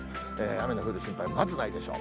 雨の降る心配、まずないでしょう。